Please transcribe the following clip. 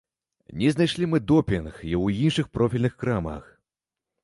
Не знайшлі мы допінг і ў іншых профільных крамах.